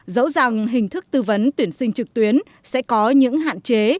dẫu rằng hình thức tư vấn tuyển sinh trực tuyến sẽ có những hạn chế